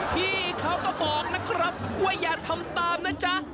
พี่เขาก็บอกนะครับว่าอย่าทำตามนะจ๊ะ